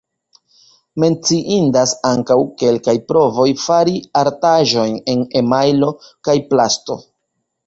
Menciindas ankaŭ kelkaj provoj fari artaĵojn en emajlo kaj plasto.